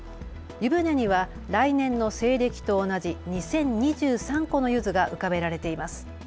湯船には来年の西暦と同じ２０２３個のゆずが浮かべられています。